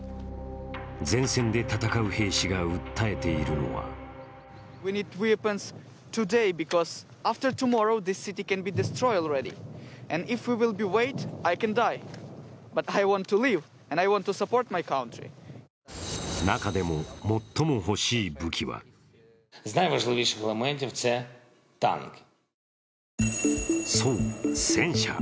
前線で戦う兵士が訴えているのは中でも最も欲しい武器はそう、戦車。